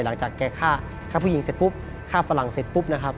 หลังจากแกฆ่าผู้หญิงเสร็จปุ๊บ